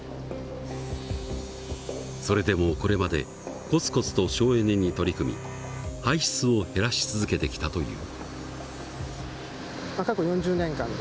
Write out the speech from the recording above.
それでもこれまでコツコツと省エネに取り組み排出を減らし続けてきたという。